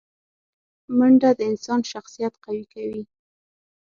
منډه د انسان شخصیت قوي کوي